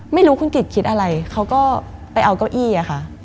ไม่รู้คุณกิจคิดอะไรเขาก็ไปเอาเก้าอี้อะค่ะ